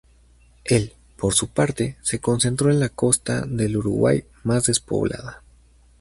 Él, por su parte, se concentró en la costa del Uruguay, más despoblada.